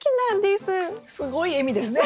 すごい笑みですね。